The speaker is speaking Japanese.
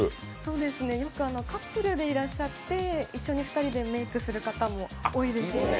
よくカップルでいらっしゃって一緒に２人でメイクする方も多いですね。